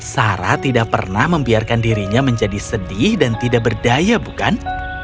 sarah tidak pernah membiarkan dirinya menjadi sedih dan tidak berdaya bukan